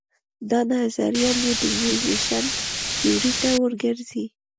دا نظریه د موډرنیزېشن تیورۍ ته ور ګرځي.